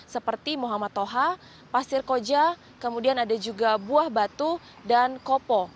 seperti muhammad toha pasir koja kemudian ada juga buah batu dan kopo